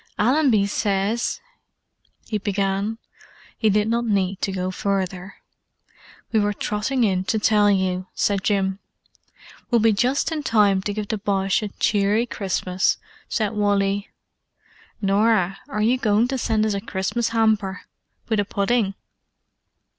"Allenby says——" he began. He did not need to go further. "We were trotting in to tell you," said Jim. "We'll be just in time to give the Boche a cheery Christmas," said Wally. "Norah, are you going to send us a Christmas hamper? With a pudding?"